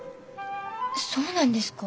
そうなんですか？